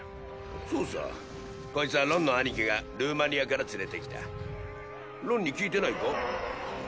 そうさこいつはロンの兄貴がルーマニアから連れてきたロンに聞いてないか？